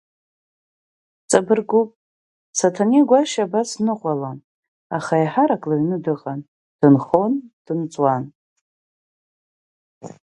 Ҵабыргуп, Саҭанеи Гәашьа абас дныҟәалон, аха еиҳарак лыҩны дыҟан, дынхон, дынҵуан.